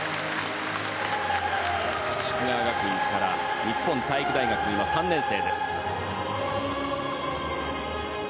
夙川学院から日本体育大学の３年生です。